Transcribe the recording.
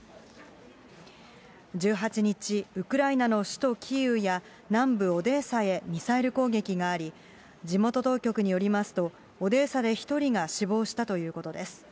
１８日、ウクライナの首都キーウや、南部オデーサへミサイル攻撃があり、地元当局によりますと、オデーサで１人が死亡したということです。